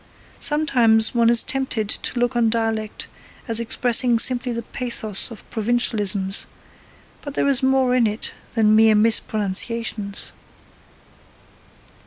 Sometimes one is tempted to look on dialect as expressing simply the pathos of provincialisms, but there is more in it than mere mispronunciations.